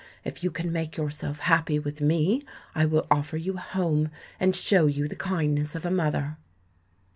If you can make yourself happy with me, I will offer you a home and show you the kindness of a mother."